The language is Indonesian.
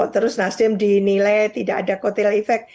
terus nasdem dinilai tidak ada kotel efek